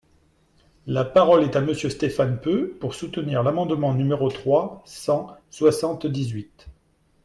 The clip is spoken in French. La parole est à Monsieur Stéphane Peu, pour soutenir l’amendement numéro trois cent soixante-dix-huit.